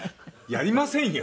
「やりませんよ」